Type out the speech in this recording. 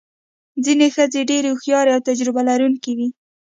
ځینې ښځې ډېرې هوښیارې او تجربه لرونکې وې.